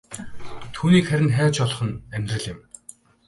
Түүнийг харин хайж олох нь амьдрал юм.